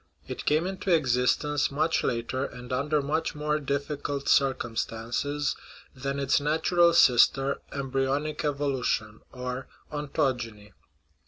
It came into existence much later, and under much more difficult circumstances, than its natural sister, embryonic evolution or ontogeny.